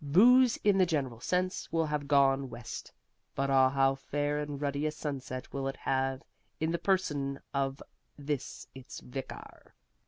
Booze, in the general sense, will have gone West, but ah how fair and ruddy a sunset will it have in the person of this its vicar!